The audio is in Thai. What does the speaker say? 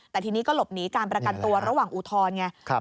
แต่ทีนี้ก็หลบหนีการประกันตัวระหว่างอุทธรณ์ไง